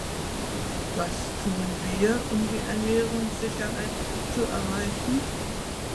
Was tun wir, um die Ernährungssicherheit zu erreichen?